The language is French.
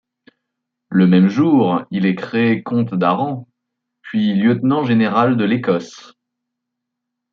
Le même jour il est créé comte d'Arran, puis lieutenant-général de l'Écosse.